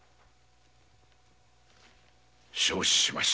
承知しました。